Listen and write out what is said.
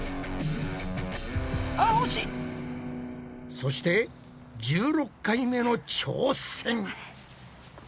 そして１６回目の挑戦。